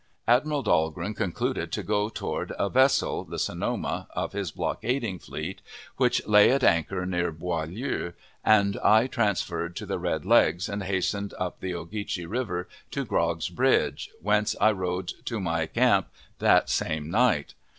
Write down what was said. Admiral Dahlgren concluded to go toward a vessel (the Sonoma) of his blockading fleet, which lay at anchor near Beaulieu, and I transferred to the Red Legs, and hastened up the Ogeechee River to Grog's Bridge, whence I rode to my camp that same night.